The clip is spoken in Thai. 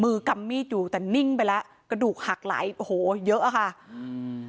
กำมีดอยู่แต่นิ่งไปแล้วกระดูกหักไหลโอ้โหเยอะอะค่ะอืม